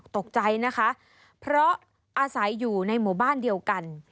ตกใจนะคะเพราะอาศัยอยู่ในหมู่บ้านเดียวกัน